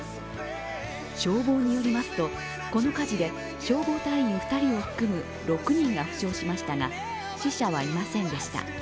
消防によりますと、この火事で消防隊員２人を含む６人が負傷しましたが死者はいませんでした。